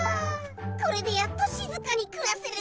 これでやっと静かに暮らせる。